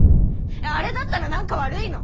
あれだったら何か悪いの？